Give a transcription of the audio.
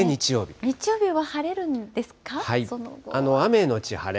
日曜日は晴れるんですか、そ雨後晴れ。